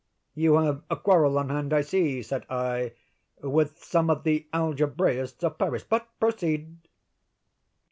"You have a quarrel on hand, I see," said I, "with some of the algebraists of Paris; but proceed."